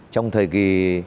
trong thời kỳ